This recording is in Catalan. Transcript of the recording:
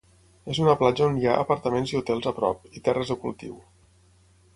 És una platja on hi ha apartaments i hotels a prop, i terres de cultiu.